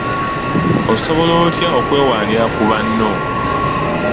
Osobola otya okwewaanira ku banno?